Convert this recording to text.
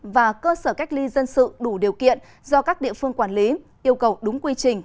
và cơ sở cách ly dân sự đủ điều kiện do các địa phương quản lý yêu cầu đúng quy trình